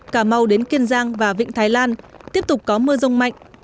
cà mau đến kiên giang và vịnh thái lan tiếp tục có mưa rông mạnh